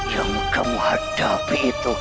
yang kamu hadapi itu